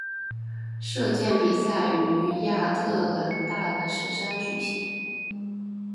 射箭比赛于亚特兰大的石山举行。